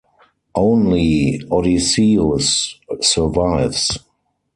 Only Odysseus survives.